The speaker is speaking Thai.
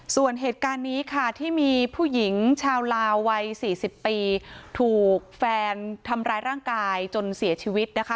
ส่วนเหตุการณ์นี้ค่ะที่มีผู้หญิงชาวลาววัย๔๐ปีถูกแฟนทำร้ายร่างกายจนเสียชีวิตนะคะ